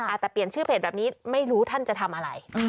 อาจจะเปลี่ยนชื่อเพจแบบนี้ไม่รู้ท่านจะทำอะไร